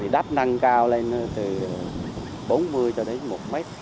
đáp năng cao lên từ bốn mươi cho đến một mét